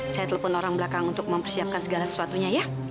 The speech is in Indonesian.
saya telepon orang belakang untuk mempersiapkan segala sesuatunya ya